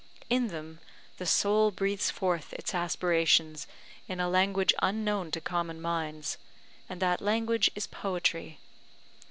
In them the soul breathes forth its aspirations in a language unknown to common minds; and that language is Poetry.